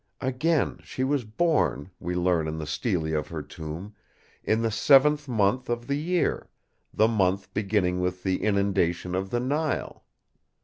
Again, she was born, we learn in the Stele of her tomb, in the seventh month of the year—the month beginning with the Inundation of the Nile.